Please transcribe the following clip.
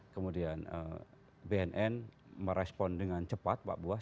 kemudian bnn merespon dengan cepat pak buas